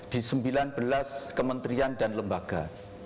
di sembilan belas kementerian dan lembaga